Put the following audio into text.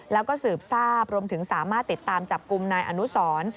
แล้วก็สืบทราบรวมถึงสามารถติดตามจับกลุ่มนายอนุสร